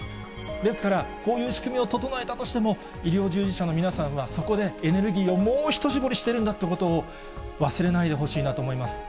ですから、こういう仕組みを整えたとしても、医療従事者の皆さんは、そこでエネルギーをもう一絞りしてるんだということを忘れないでほしいなと思います。